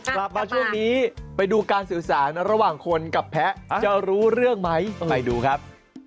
กลับมาช่วงนี้ไปดูการสื่อสารระหว่างคนกับแพ้จะรู้เรื่องไหมไปดูครับ